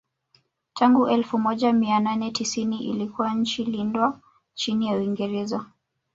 Tangu elfu moja mia nane tisini ilikuwa nchi lindwa chini ya Uingereza